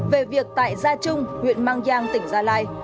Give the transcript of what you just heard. về việc tại gia trung huyện mang giang tỉnh gia lai